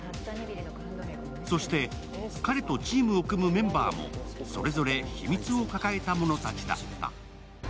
そして彼とチームを組むメンバーもそれぞれ秘密を抱えた者たちだった。